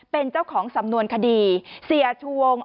เป็นเจ้าของสำนวนคดีเสียชวง